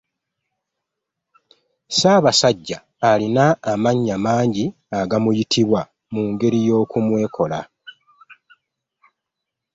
Ssaabasajja alina amannya mangi agamuyitibwa mu ngeri y’okumwekola.